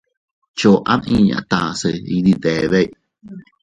Choʼo ama inña tase iydidebe.